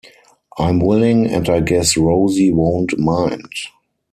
I'm willing, and I guess Rosie won't mind.